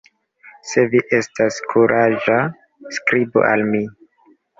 Se vi estas kuraĝa, skribu al mi!